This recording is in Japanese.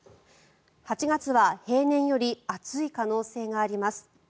８月は平年より暑い可能性があります。